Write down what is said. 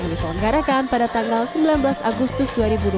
diselenggarakan pada tanggal sembilan belas agustus dua ribu dua puluh